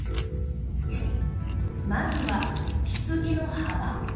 まずは、ひつぎの幅。